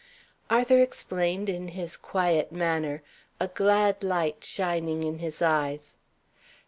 Arthur explained in his quiet manner, a glad light shining in his eyes.